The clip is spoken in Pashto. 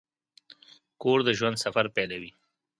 کور د ژوند سفر پیلوي.